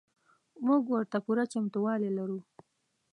موږ ورته پوره چمتو والی لرو.